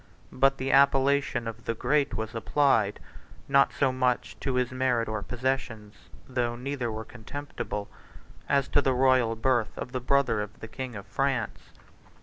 But the appellation of the Great was applied, not so much to his merit or possessions, (though neither were contemptible,) as to the royal birth of the brother of the king of France.